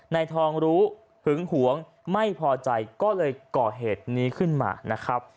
นายทองรู้หึงหวงไม่พอใจก็เลยก่อเหตุนี้ขึ้นมานะครับ